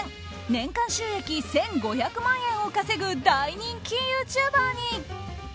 年間収益１５００万円を稼ぐ大人気ユーチューバーに。